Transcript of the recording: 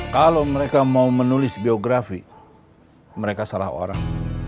kalau mereka mau menulis biografi mereka salah orang